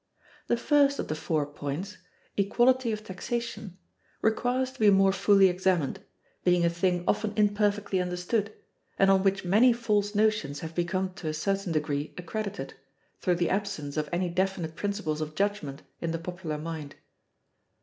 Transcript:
The first of the four points, equality of taxation, requires to be more fully examined, being a thing often imperfectly understood, and on which many false notions have become to a certain degree accredited, through the absence of any definite principles of judgment in the popular mind.